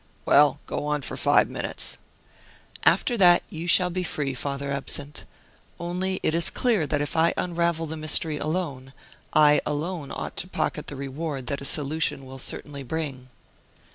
"Well, go on for five minutes." "After that you shall be free, Father Absinthe. Only it is clear that if I unravel the mystery alone, I alone ought to pocket the reward that a solution will certainly bring."